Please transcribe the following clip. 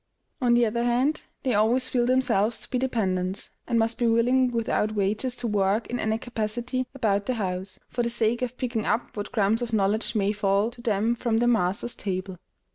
On the other hand, they always feel themselves to be dependents, and must be willing without wages to work in any capacity about the house, for the sake of picking up what crumbs of knowledge may fall to them from their master's table.